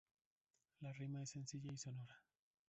La rima es sencilla y sonora.